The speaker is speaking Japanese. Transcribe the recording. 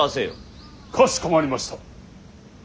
かしこまりました。